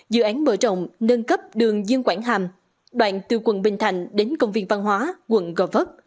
dự án mở rộng nâng cấp đường dương quảng hàm đoạn từ quận bình thạnh đến công viên văn hóa quận gò vấp